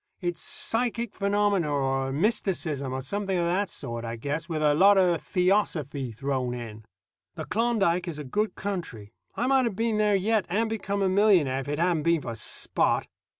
It's psychic phenomena, or mysticism, or something of that sort, I guess, with a lot of theosophy thrown in. The Klondike is a good country. I might have been there yet, and become a millionaire, if it hadn't been for Spot.